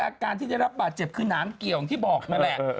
อาการที่ได้รับบาดเจ็บขึ้นนามเกี่ยวของที่บอกนและ